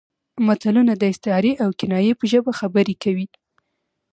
متلونه د استعارې او کنایې په ژبه خبرې کوي